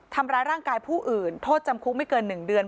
ทำร้ายร่างกายผู้อื่นโทษจำคุกไม่เกิน๑เดือน